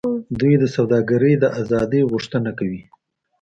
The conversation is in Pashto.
دوی د سوداګرۍ د آزادۍ غوښتنه کوي